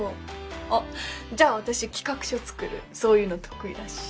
あっじゃあ私企画書作るそういうの得意だし。